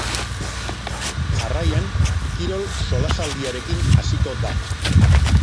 Jarraian, kirol solasaldiarekin hasiko da.